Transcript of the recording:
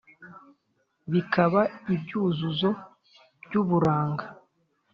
bikaba ibyuzuzo by’ uburanga